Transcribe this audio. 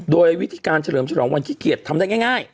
โดยวิธีการเฉลิมฉลองวันขี้เกียจทำได้ง่าย